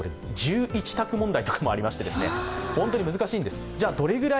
１１択問題とかもありまして、本当に難しいんです。